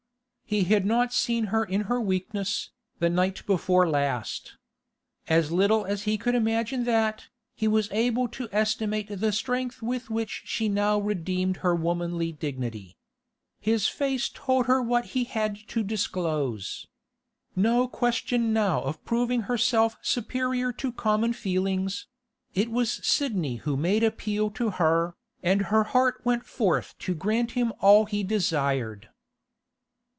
He had not seen her in her weakness, the night before last. As little as he could imagine that, was he able to estimate the strength with which she now redeemed her womanly dignity. His face told her what he had to disclose. No question now of proving herself superior to common feelings; it was Sidney who made appeal to her, and her heart went forth to grant him all he desired.